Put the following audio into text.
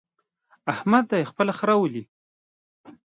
احمد دې خپل خره ولي.